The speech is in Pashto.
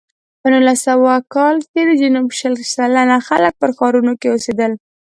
په نولس سوه کال کې د جنوب شل سلنه خلک په ښارونو کې اوسېدل.